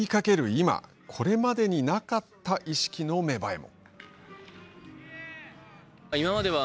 今これまでになかった意識の芽生えも。